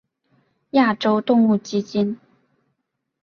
亚洲动物基金。